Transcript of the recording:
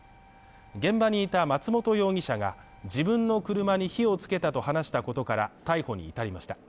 現場にいた松本容疑者が自分の車に火をつけたと話したことから逮捕に至りました。